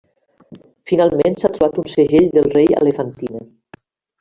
Finalment, s'ha trobat un segell del rei a Elefantina.